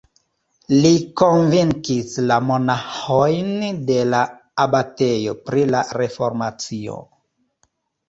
Li konvinkis la monaĥojn de la abatejo pri la reformacio.